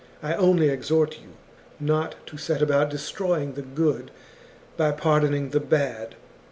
I only exhort you, not to set about destroy ing the good by pardoning the bad.